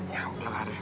ya ampun lah ref ya